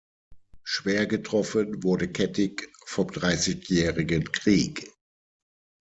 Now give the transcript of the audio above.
Schwer getroffen wurde Kettig vom Dreißigjährigen Krieg.